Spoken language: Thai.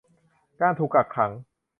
การถูกกักขัง